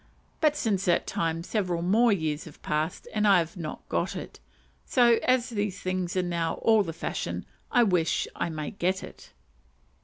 But since that time several more years have passed, and I have not got it; so, as these things are now all the fashion, "I wish I may get it."